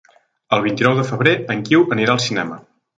El vint-i-nou de febrer en Guiu anirà al cinema.